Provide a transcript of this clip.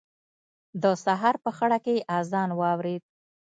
د سهار په خړه کې يې اذان واورېد.